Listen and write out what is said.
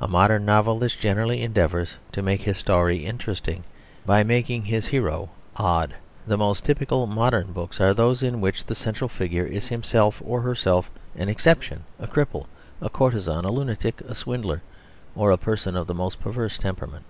A modern novelist generally endeavours to make his story interesting, by making his hero odd. The most typical modern books are those in which the central figure is himself or herself an exception, a cripple, a courtesan, a lunatic, a swindler, or a person of the most perverse temperament.